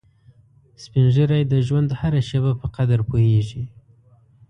سپین ږیری د ژوند هره شېبه په قدر پوهیږي